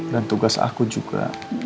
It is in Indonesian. dan tugas aku juga